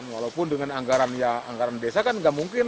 walaupun dengan anggaran desa kan tidak mungkin